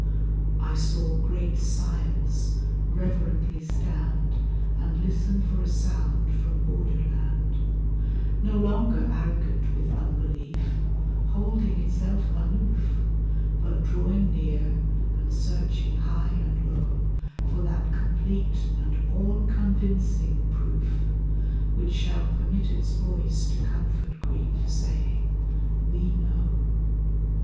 I saw great Science reverently stand And listen for a sound from Border land, No longer arrogant with unbelief— Holding itself aloof— But drawing near, and searching high and low For that complete and all convincing proof Which shall permit its voice to comfort grief, Saying, 'We know.